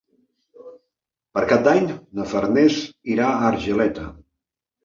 Per Cap d'Any na Farners irà a Argeleta.